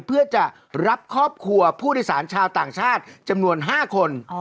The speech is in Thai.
เพื่อจะรับครอบครัวผู้โดยสารชาวต่างชาติจำนวน๕คน